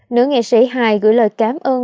nữ nghệ sĩ hài gửi lời cảm ơn